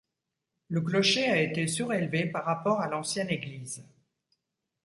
Le clocher a été surélevé par rapport à l'ancienne église.